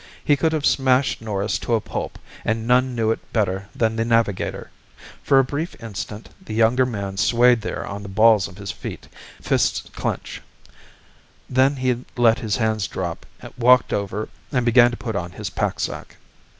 He could have smashed Norris to a pulp, and none knew it better than the Navigator. For a brief instant the younger man swayed there on the balls of his feet, fists clenched. Then he let his hands drop, walked over and began to put on his packsack.